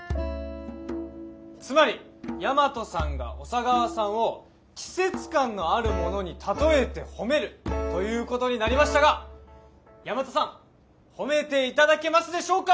つまり大和さんが小佐川さんを季節感のあるものに例えて褒めるということになりましたが大和さん褒めて頂けますでしょうか。